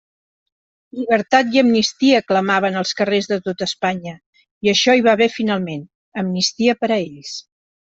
«Llibertat i amnistia» clamaven als carrers de tota Espanya, i això hi va haver finalment: amnistia per a ells.